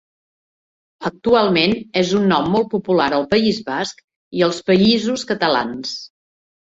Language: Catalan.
Actualment és un nom molt popular al País Basc i als Països Catalans.